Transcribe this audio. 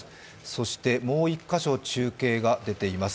そしてもう１か所中継が出ています。